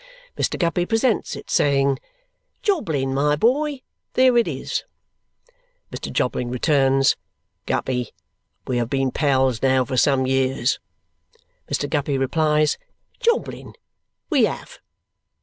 Mr. Guppy presents it, saying, "Jobling, my boy, there it is!" Mr. Jobling returns, "Guppy, we have been pals now for some years!" Mr. Guppy replies, "Jobling, we have."